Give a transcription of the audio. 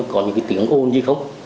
có những cái tiếng ôn đi khóc